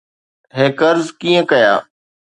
hackers ڪيئن ڪيا